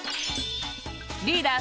リーダー